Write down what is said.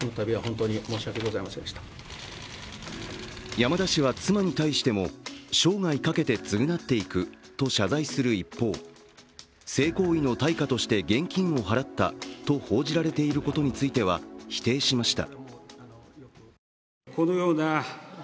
山田氏は妻に対しても生涯かけて償っていくと謝罪する一方、性行為の対価として現金を払ったと報じられていることについては否定しました。